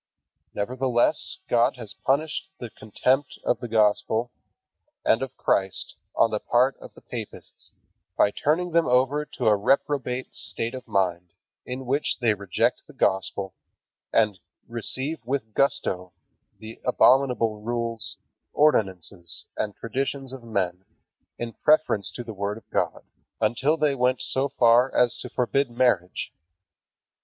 Nevertheless God has punished the contempt of the Gospel and of Christ on the part of the papists, by turning them over to a reprobate state of mind in which they reject the Gospel, and receive with gusto the abominable rules, ordinances, and traditions of men in preference to the Word of God, until they went so far as to forbid marriage.